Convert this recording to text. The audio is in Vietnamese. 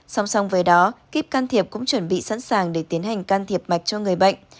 song song với đó kíp can thiệp cũng chuẩn bị sẵn sàng để tiến hành can thiệp mạch cho người bệnh